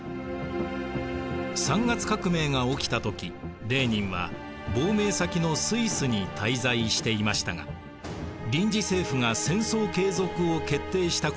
三月革命が起きた時レーニンは亡命先のスイスに滞在していましたが臨時政府が戦争継続を決定したことに反対を表明。